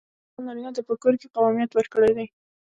الله تعالی نارینه ته په کور کې قوامیت ورکړی دی.